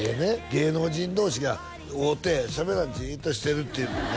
芸能人同士が会うてしゃべらずじっとしてるっていうのね